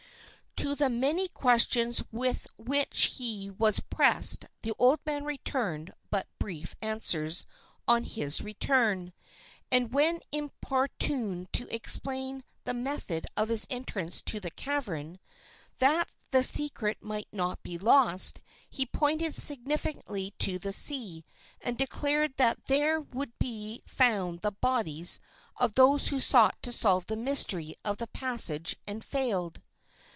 To the many questions with which he was pressed the old man returned but brief answers on his return, and when importuned to explain the method of his entrance to the cavern, that the secret might not be lost, he pointed significantly to the sea, and declared that there would be found the bodies of those who sought to solve the mystery of the passage and failed.